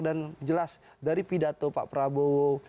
dan jelas dari pidato pak prabowo